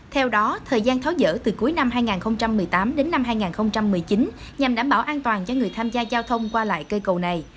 theo đó thời gian tháo dở từ cuối năm hai nghìn một mươi tám đến năm hai nghìn một mươi chín nhằm đảm bảo an toàn cho người tham gia giao thông qua lại cây cầu này